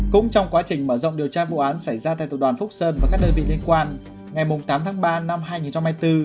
cũng trong quá trình mở rộng điều tra vụ án xảy ra tại tập đoàn phúc sơn và các đơn vị liên quan ngày tám tháng ba năm hai nghìn hai mươi bốn